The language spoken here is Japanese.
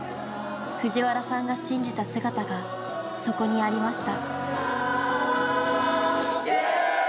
藤原さんが信じた姿がそこにありました。